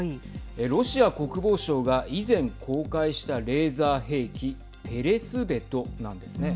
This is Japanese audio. ロシア国防省が以前公開したレーザー兵器ペレスベトなんです。